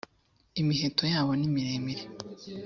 imiheto yabo nimiremire.